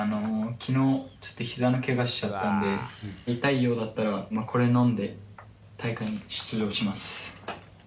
きのう、ちょっとひざのけがしちゃったんで、痛いようだったら、これ飲んで、大会に出場します。